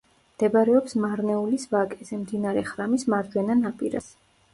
მდებარეობს მარნეულის ვაკეზე, მდინარე ხრამის მარჯვენა ნაპირას.